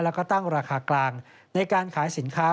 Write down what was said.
แล้วก็ตั้งราคากลางในการขายสินค้า